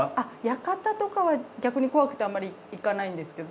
館とかは逆に怖くてあんまり行かないんですけど。